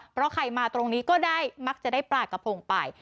เพราะใครมาตรงนี้ก็ได้มักจะได้ปลากระพงไป